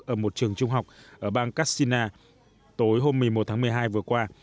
ở một trường trung học ở bang kassina tối hôm một mươi một tháng một mươi hai vừa qua